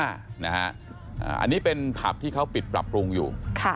อันนี้เป็นผับที่เขาปิดปรับปรุงอยู่